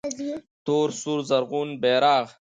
تور سور زرغون بیرغ